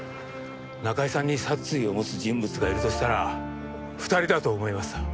中井さんに殺意を持つ人物がいるとしたら２人だと思いました。